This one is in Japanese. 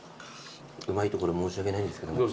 うまいところ申し訳ないんですけど。